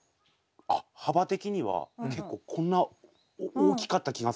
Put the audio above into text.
あっ幅的には結構こんな大きかった気がする。